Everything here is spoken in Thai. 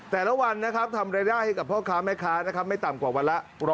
แต่ละวันนะครับทำรายได้ให้ของพ่อค้าแม่ค้าไม่ถ่ำกว่าวันละ